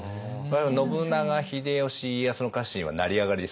信長秀吉家康の家臣は成り上がりですから全員。